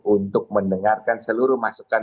untuk mendengarkan seluruh masukan